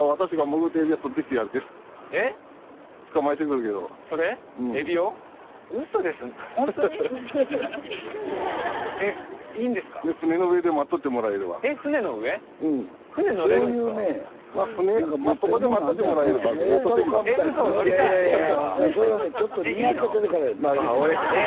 スタジオちょっとにやけてるからや。